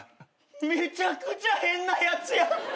めちゃくちゃ変なやつや。